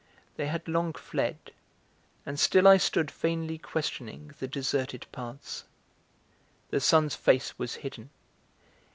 They had long fled, and still I stood vainly questioning the deserted paths. The sun's face was hidden.